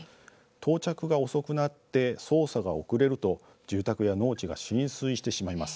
到着が遅くなって操作が遅れると住宅や農地が浸水してしまいます。